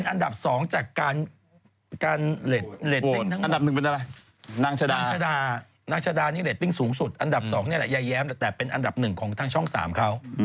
นางชดานี่เรตติ้งสูงสุดอันดับสองนี่แย้มแต่เป็นอันดับหนึ่งของทางช่องสามเขา